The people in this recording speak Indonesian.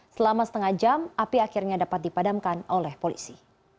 selama setengah jam api akhirnya dapat dipadamkan oleh polisi